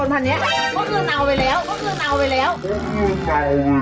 ไม่เอาคนพันธุ์นี้ก็เพิ่งเอาไว้แล้ว